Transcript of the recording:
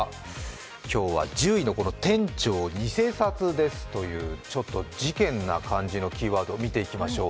今日は１０位の店長偽札ですという、ちょっと事件ナ感じのキーワードを見ていきましょう。